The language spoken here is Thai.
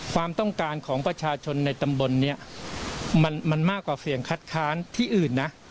ความต้องการของประชาชนในตำบลนี้มันมากกว่าเสียงคัดค้านที่อื่นนะ